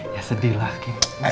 ya sedih lah kiki